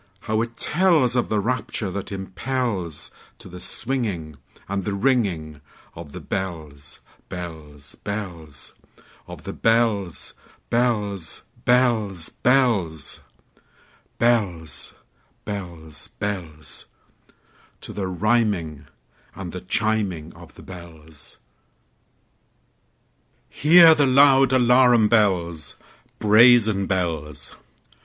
how it tellsOf the rapture that impelsTo the swinging and the ringingOf the bells, bells, bells, Of the bells, bells, bells, bells, Bells, bells, bells—To the rhyming and the chiming of the bells! Hear the loud alarum bells, Brazen bells!